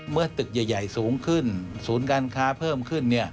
เมื่อตึกใหญ่สูงขึ้นศูนย์การค้าเพิ่มขึ้น